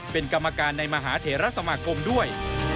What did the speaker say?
เป็นกรรมการในมหาเถระสมาคมด้วย